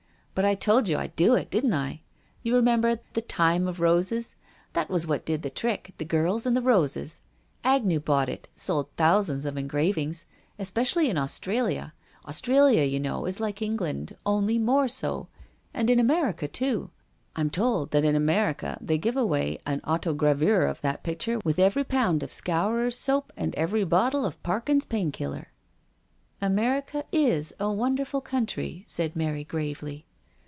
"But I told you Fd do it, didn't I? You remember l The Time of Roses.' That was what did the trick, the girls and roses. THE APOTHEOSIS OF PEBRT JACKSON. 179 Agnew bought it, sold thousands of engrav ings — especially in Australia. Australia, you know, is like England — only more so. And in America, too. I'm told that in America they give away an autogravure of that pic ture with every pound of Scourer's Soap and every bottle of Parkins' Pain killer." "America is a wonderful country," said Mary gravely.